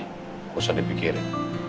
gak usah dipikirin